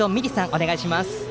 お願いします。